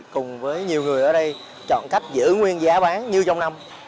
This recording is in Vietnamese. cùng với nhiều người ở đây chọn cách giữ nguyên giá bán như trong năm